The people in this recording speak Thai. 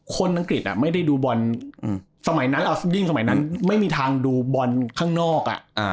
คนอังกฤษไม่ได้ดูบอลยิ่งสมัยนั้นไม่มีทางดูบอลข้างนอก